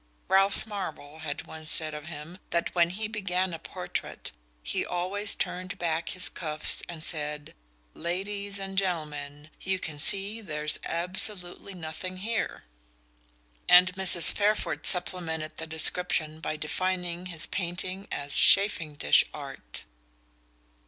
Ralph Marvell had once said of him that when he began a portrait he always turned back his cuffs and said: "Ladies and gentlemen, you can see there's absolutely nothing here," and Mrs. Fairford supplemented the description by defining his painting as "chafing dish" art.